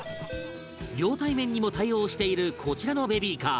両対面にも対応しているこちらのベビーカー